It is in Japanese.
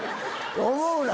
思うな！